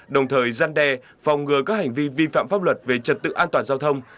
đồng thời gian đe phòng ngừa các hành vi vi phạm pháp luật về trật tự an toàn giao thông